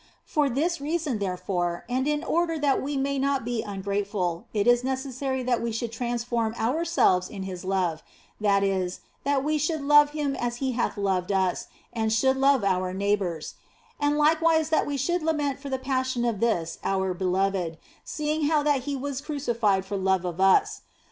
For this reason, therefore, and in order that we may not be ungrateful, it is necessary that we should transform ourselves in His love, that is, that we should love Him as He hath loved us, and should love our neighbours ; and likewise that we should lament for the Passion of this our Beloved, seeing how that He was crucified for love of us.